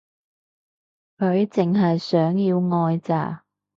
佢淨係想要愛咋